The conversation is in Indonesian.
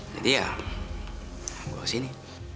jadi ya gue sini